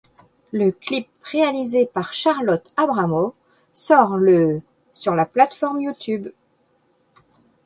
Le clip, réalisé par Charlotte Abramow, sort le sur la plateforme YouTube.